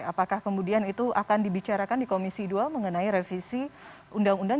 apakah kemudian itu akan dibicarakan di komisi dua mengenai revisi undang undang